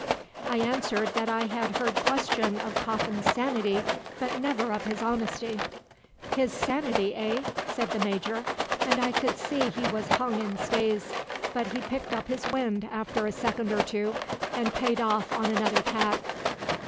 "I answered that I had heard question of Coffin's sanity, but never of his honesty. "'His sanity, eh?' said the Major; and I could see he was hung in stays, but he picked up his wind after a second or two, and paid off on another tack.